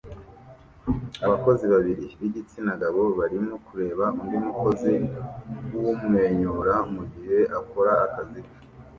Abakozi babiri b'igitsina gabo barimo kureba undi mukozi w'umwenyura mu gihe akora akazi ke